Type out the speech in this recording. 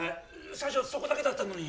最初そこだけだったのに！